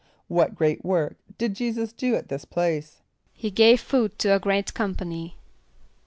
= What great work did J[=e]´[s+]us do at this place? =He gave food to a great company.